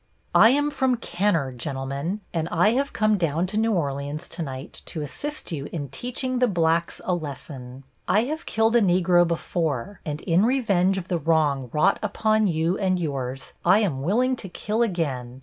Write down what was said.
"I am from Kenner, gentlemen, and I have come down to New Orleans tonight to assist you in teaching the blacks a lesson. I have killed a Negro before, and in revenge of the wrong wrought upon you and yours, I am willing to kill again.